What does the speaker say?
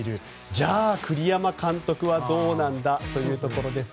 じゃあ、栗山監督はどうなのかというところです。